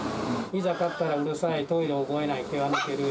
いざ飼ったらうるさい、トイレ覚えない、毛は抜ける。